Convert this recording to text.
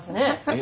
え？